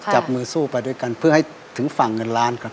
จับมือสู้ไปด้วยกันเพื่อให้ถึงฝั่งเงินล้านครับ